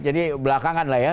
jadi belakangan lah ya